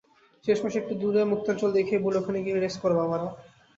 শেষমেশ একটু দূরে মুক্তাঞ্চল দেখিয়ে বলি ওখানে গিয়ে রেস করো বাবারা।